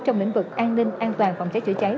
trong lĩnh vực an ninh an toàn phòng cháy chữa cháy